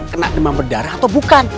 kena demam berdarah atau bukan